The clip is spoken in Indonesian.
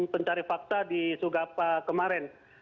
pencari fakta di sugapa kemarin